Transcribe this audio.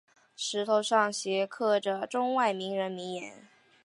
石头上镌刻着中外名人名言。